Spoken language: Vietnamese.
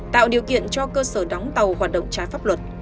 tạo điều kiện cho cơ sở đóng tàu hoạt động trái pháp luật